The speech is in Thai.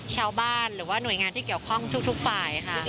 ชาวบ้านหรือว่าหน่วยงานที่เกี่ยวข้องทุกฝ่ายค่ะ